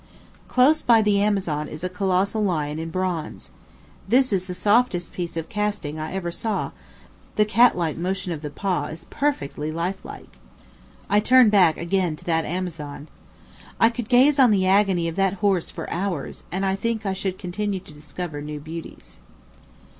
Close by the Amazon is a colossal lion in bronze. This is the softest piece of casting I ever saw; the catlike motion of the paw is perfectly lifelike. I turn back again to that Amazon. I could gaze on the agony of that horse for hours, and think I should continue to discover new beauties.